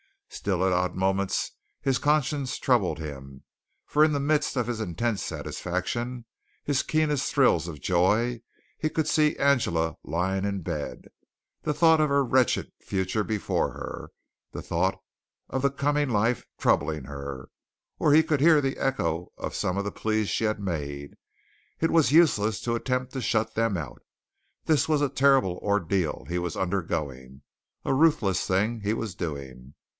Still at odd moments his conscience troubled him, for in the midst of his intense satisfaction, his keenest thrills of joy, he could see Angela lying in bed, the thought of her wretched future before her, the thought of the coming life troubling her, or he could hear the echo of some of the pleas she had made. It was useless to attempt to shut them out. This was a terrible ordeal he was undergoing, a ruthless thing he was doing.